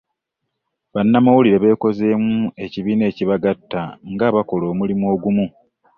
Bannamawuliire bekozeemu ekibiina ekibagatta nga abakola omulimu ogumu.